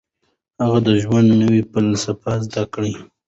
هغه د ژوند نوې فلسفه زده کړه.